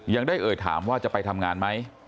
ยังได้เอ่ยถามว่าจะไปทำงานไหม